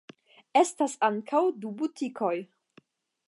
Estas ankaŭ du butikoj.